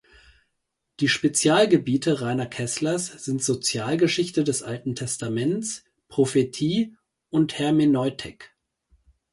Die Spezialgebiete Rainer Kesslers sind Sozialgeschichte des Alten Testaments, Prophetie und Hermeneutik.